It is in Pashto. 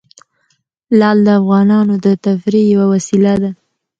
لعل د افغانانو د تفریح یوه وسیله ده.